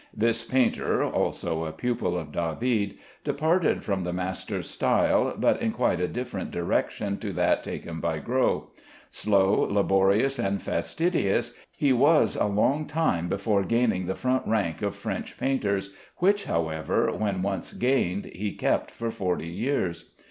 This painter (also a pupil of David) departed from the master's style, but in quite a different direction to that taken by Gros. Slow, laborious, and fastidious, he was a long time before gaining the front rank of French painters, which, however, when once gained he kept for forty years.